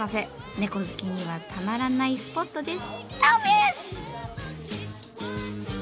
猫好きにはたまらないスポットです。